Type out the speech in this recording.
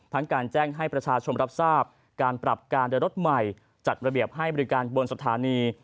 การแจ้งให้ประชาชนรับทราบการปรับการเดินรถใหม่จัดระเบียบให้บริการบนสถานี